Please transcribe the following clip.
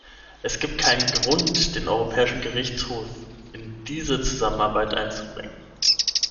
Es gibt keinen Grund, den Europäischen Gerichtshof in diese Zusammenarbeit einzubringen.